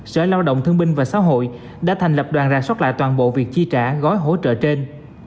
sở lao động thương binh và xã hội đã thành lập đoàn ra sót lại toàn bộ việc chi trả gói hỗ trợ trên